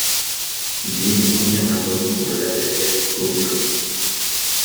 Il est le premier album pour le label Vertigo Records.